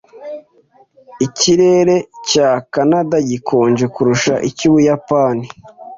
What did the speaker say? Ikirere cya Kanada gikonje kurusha icy'Ubuyapani.